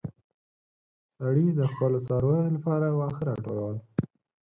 سړی د خپلو څارويو لپاره واښه راټولول.